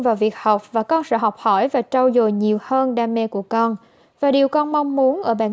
vào việc học và con sẽ học hỏi và trâu dồi nhiều hơn đam mê của con và điều con mong muốn ở bản